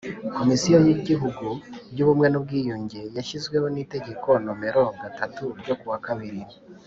Komisiyo y Igihugu y Ubumwe n Ubwiyunge yashyizweho n Itegeko nomero gatatu ryo ku wa kabiri